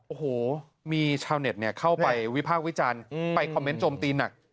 โอ้โหมีชาวเน็ตเข้าไปวิพากษ์วิจารณ์ไปคอมเมนต์โจมตีหนัก